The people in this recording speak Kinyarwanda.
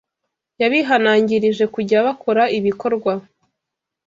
Yabihanangirije kujya bakora ibikorwa